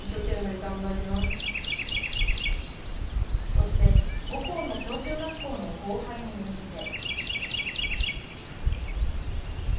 そして母校の小中学校の後輩に向けて。